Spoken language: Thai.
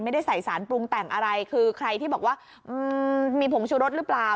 ไม่ได้ใส่สารปรุงแต่งอะไรคือใครที่บอกว่า